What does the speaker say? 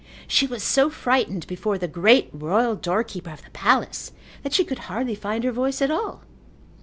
She was so frightened before the great royal doorkeeper of the palace that she could hardly find her voice at all.